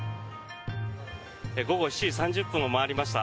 午後７時３０分を回りました。